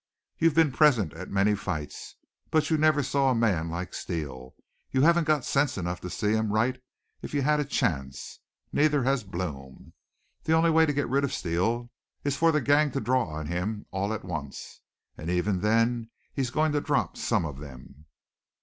You've been present at many fights. But you never saw a man like Steele. You haven't got sense enough to see him right if you had a chance. Neither has Blome. The only way to get rid of Steele is for the gang to draw on him, all at once. And even then he's going to drop some of them."